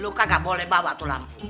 lo kagak boleh bawa lampu